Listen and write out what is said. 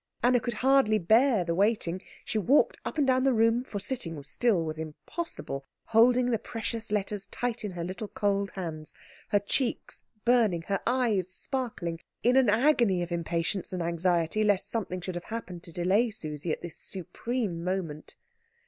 Anna could hardly bear the waiting. She walked up and down the room, for sitting still was impossible, holding the precious letters tight in her little cold hands, her cheeks burning, her eyes sparkling, in an agony of impatience and anxiety lest something should have happened to delay Susie at this supreme moment.